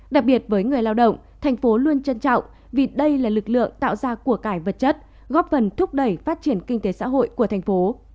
đặc biệt với người lao động thành phố luôn trân trọng vì đây là lực lượng tạo ra của cải vật chất góp phần thúc đẩy phát triển kinh tế xã hội của thành phố